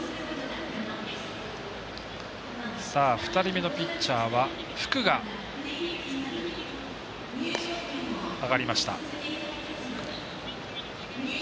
２人目のピッチャーは福が上がりました。